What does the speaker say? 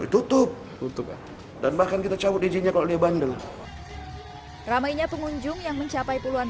tutup tutup dan bahkan kita cabut izinnya kalau dia bandel ramainya pengunjung yang mencapai puluhan